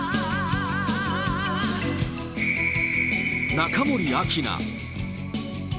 中森明菜。